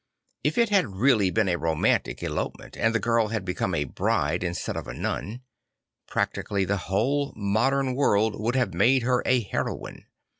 If it had really been a romantic elopement and the girl had become a bride instead of a nun, practically the whole modern world would have made her a heroine.